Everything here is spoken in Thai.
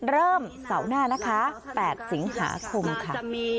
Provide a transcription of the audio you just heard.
เริ่มเสาร์หน้านะคะ๘สิงหาคมค่ะ